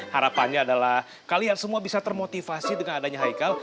harapannya adalah kalian semua bisa termotivasi dengan adanya haikal